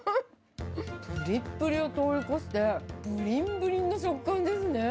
ぷりっぷりを通り越して、ぶりんぶりんの食感ですね。